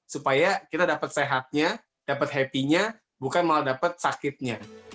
supaya kita dapat sehatnya dapat happy nya bukan malah dapat sakitnya